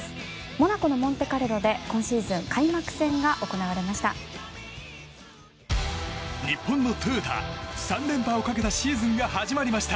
モナコのモンテカルロで今シーズン開幕戦が行われました。